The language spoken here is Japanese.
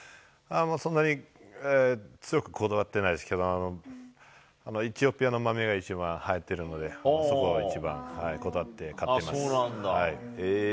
そんなに強くこだわってないですけど、エチオピアの豆が入ってるので、そこが一番こだわって買ってます。